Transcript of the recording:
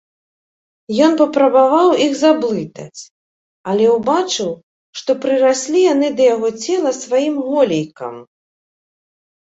Ён папрабаваў іх заблытаць, але ўбачыў, што прыраслі яны да яго цела сваім голлейкам.